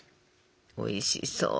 おいしそう。